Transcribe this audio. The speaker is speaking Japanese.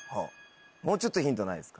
もうちょっとヒントないですか？